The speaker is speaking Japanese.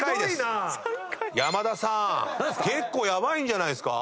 山田さん結構ヤバいんじゃないんですか？